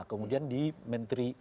kemudian di menteri